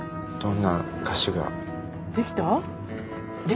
できた？